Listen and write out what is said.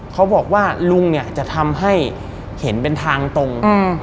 เขาบอกว่าลุงเนี่ยจะทำให้เห็นเป็นทางตรง